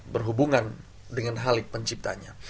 berhubungan dengan halik penciptanya